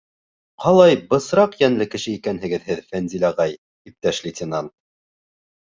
— Ҡалай бысраҡ йәнле кеше икәнһегеҙ һеҙ, Фәнзил ағай, иптәш лейтенант!